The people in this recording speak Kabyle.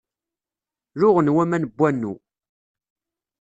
Luɣen waman n wannu.